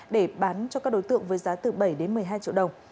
để bán cho các đối tượng với giá từ bảy đến một mươi hai triệu đồng